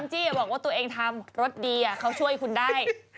จิ๊บบอกตัวเองทำรสดีอะเขาช่วยคุณได้